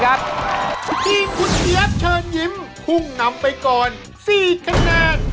กิ้งกุฏเฮียบเชิญยิ้มคุงนำไปก่อน๔คะแนน